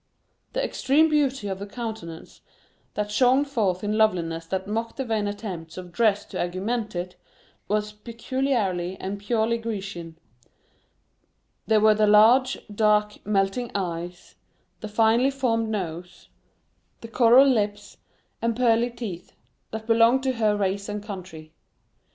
The extreme beauty of the countenance, that shone forth in loveliness that mocked the vain attempts of dress to augment it, was peculiarly and purely Grecian; there were the large, dark, melting eyes, the finely formed nose, the coral lips, and pearly teeth, that belonged to her race and country.